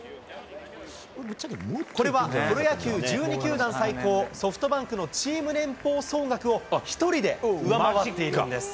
これはプロ野球１２球団最高、ソフトバンクのチーム年俸総額を１人で上回っているんです。